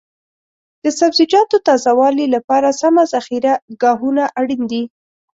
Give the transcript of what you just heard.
د سبزیجاتو تازه والي لپاره سمه ذخیره ګاهونه اړین دي.